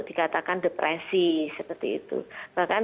dikatakan depresi seperti itu bahkan